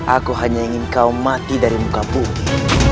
aku hanya ingin kau mati dari muka putih